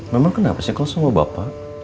memang kenapa sihvio semua bapak